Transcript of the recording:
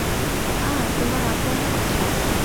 আঃ, তোমার আব্বু-আম্মু কোথায়?